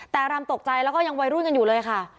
แต่อารำตกใจแล้วก็ยังวัยรุ่นกันอยู่เลยค่ะ